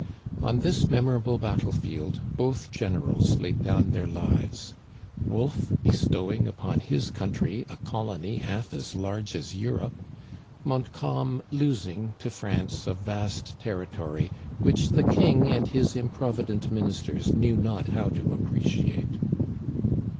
On this memorable battle field both generals laid down their lives — Wolfe bestowing upon his country a colony half as large as Europe, Montcalm losing to France a vast territory which the King and his improvident ministers knew not how to appreciate.